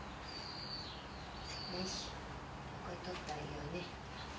これ取ってあげようね。